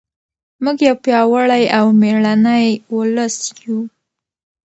موږ یو پیاوړی او مېړنی ولس یو.